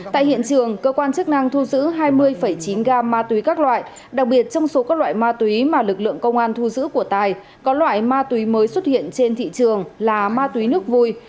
tại hiện trường cơ quan chức năng thu giữ hai mươi chín gam ma túy các loại đặc biệt trong số các loại ma túy mà lực lượng công an thu giữ của tài có loại ma túy mới xuất hiện trên thị trường là ma túy nước vui